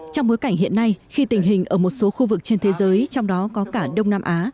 trong bối cảnh hiện nay khi tình hình ở một số khu vực trên thế giới trong đó có cả đông nam á